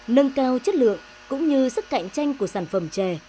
nâng cao chất lượng cũng như sức cạnh tranh của sản phẩm chè